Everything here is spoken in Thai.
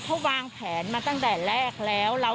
คุณประสิทธิ์ทราบรึเปล่าคะว่า